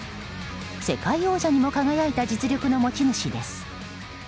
世界王者にも輝いた実力の持ち主です。